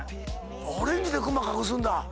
オレンジでクマ隠すんだ。